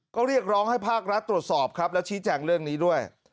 ก็เรียกร้องให้ภาครัฐตรวจสอบครับแล้วชี้แจงเรื่องนี้ด้วย